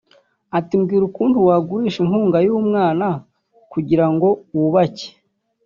Ati “Mbwira ukuntu wagurisha inkunga y’umwana kugira ngo wubake